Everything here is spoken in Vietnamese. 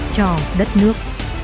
cho đất nước